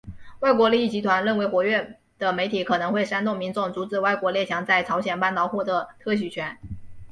外国利益集团认为活跃的媒体可能会煽动民众阻止外国列强在朝鲜半岛获得特许权。